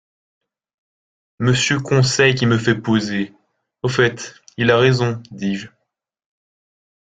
Monsieur Conseil qui me fait poser ! —Au fait, il a raison, dis-je.